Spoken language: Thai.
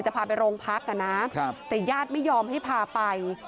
พาไปโรงพักอ่ะนะแต่ญาติไม่ยอมให้พาไป